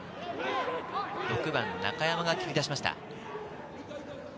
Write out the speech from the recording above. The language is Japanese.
６番・中山が蹴り出しました。